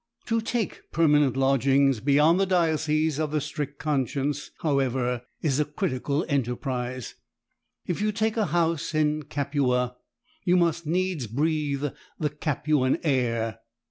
'" To take permanent lodgings beyond the diocese of the strict conscience, however, is a critical enterprise. If you take a house in Capua, you must needs breathe the Capuan air.